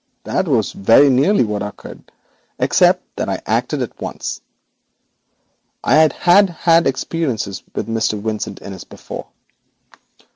that is very nearly what occurred, except that I acted at once. I had had experiences with Mr. Vincent Innis before.